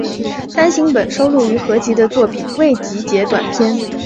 单行本收录于合集的作品未集结短篇